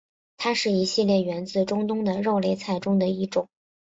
它是一系列源自中东的肉类菜中的一种。